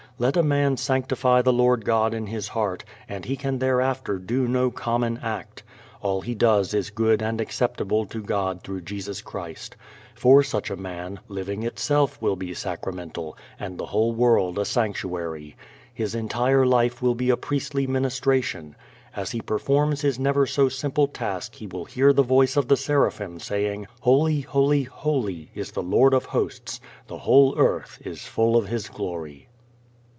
Let a man sanctify the Lord God in his heart and he can thereafter do no common act. All he does is good and acceptable to God through Jesus Christ. For such a man, living itself will be sacramental and the whole world a sanctuary. His entire life will be a priestly ministration. As he performs his never so simple task he will hear the voice of the seraphim saying, "Holy, Holy, Holy, is the Lord of hosts: the whole earth is full of his glory."